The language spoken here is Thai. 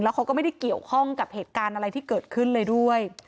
เขาก็ไม่ได้เกี่ยวข้องกับเหตุการณ์อะไรที่เกิดขึ้นเลยด้วย